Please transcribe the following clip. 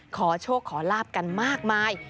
ขอโชคขอลาบกันมากมาย